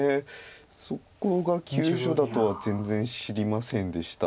そこが急所だとは全然知りませんでした。